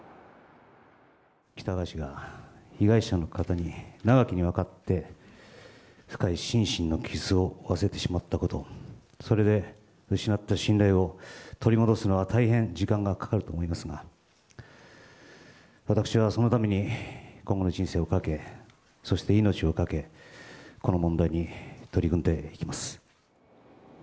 喜多川氏が被害者の方に長きにわたって、深い心身の傷を負わせてしまったこと、それで失った信頼を取り戻すのは大変時間がかかると思いますが、私はそのために今後の人生を懸け、そして命を懸け、この問題に取り組んでいきます。